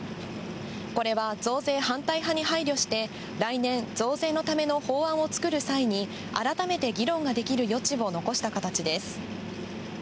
これは増税反対派に配慮して、来年、増税のための法案を作る際に改めて議論ができる余地を残した形です。